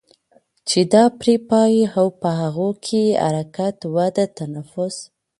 چې دا پرې پايي او په هغو کې حرکت، وده، تنفس